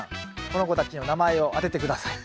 この子たちの名前を当てて下さい。